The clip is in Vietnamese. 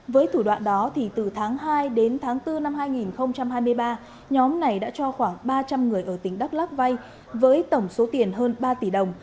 với thủ đoạn đó từ tháng hai đến tháng bốn năm hai nghìn hai mươi ba nhóm này đã cho khoảng ba trăm linh người ở tỉnh đắk lắc vay với tổng số tiền hơn ba tỷ đồng